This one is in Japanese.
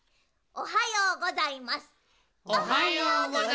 おはようございまする。